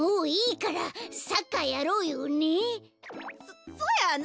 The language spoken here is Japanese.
そそやな！